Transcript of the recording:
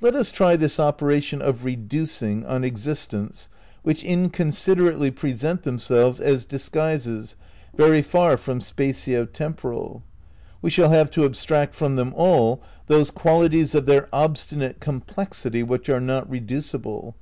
Let US try this operation of "reducing" on existents which inconsiderately present themselves as "dis guises" very far from spatio temporal. We shall have to abstract from them all those qualities of their ob stinate complexity which are not reducible.